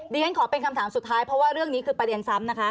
เรียนขอเป็นคำถามสุดท้ายเพราะว่าเรื่องนี้คือประเด็นซ้ำนะคะ